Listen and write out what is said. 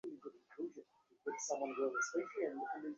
সন্ধ্যার সময় শশী তাহাকে দেখিতে গেল।